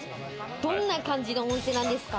どんな感じのお店なんですか？